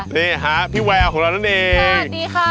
นี่ค่ะพี่แววของเรานั่นเอง